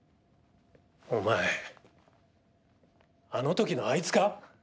お前あの時のあいつか？